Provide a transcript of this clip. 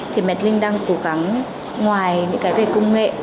thì met đang cố gắng ngoài những cái về công nghệ